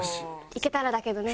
行けたらだけどね。